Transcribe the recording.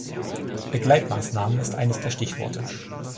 Begleitmaßnahmen ist eines der Stichworte.